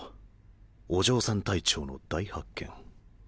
お嬢さん隊長の大発見」。